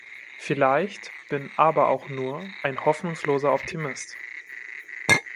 Vielleicht bin aber auch nur ein hoffnungsloser Optimist.